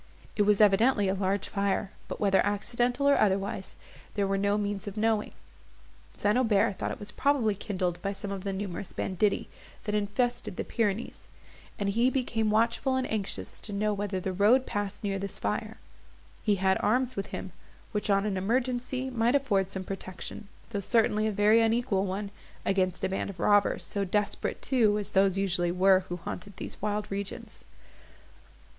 It was evidently a large fire, but whether accidental, or otherwise, there were no means of knowing. St. Aubert thought it was probably kindled by some of the numerous banditti, that infested the Pyrenees, and he became watchful and anxious to know whether the road passed near this fire. He had arms with him, which, on an emergency, might afford some protection, though certainly a very unequal one, against a band of robbers, so desperate too as those usually were who haunted these wild regions.